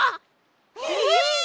えっ！